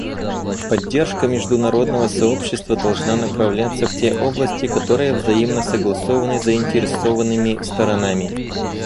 Поддержка международного сообщества должна направляться в те области, которые взаимно согласованы заинтересованными сторонами.